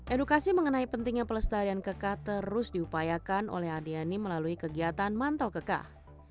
edukasi mengenai pentingnya pelestarian kekah terus diupayakan oleh adiani melalui kegiatan mantau kekah